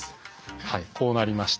はいこうなりました。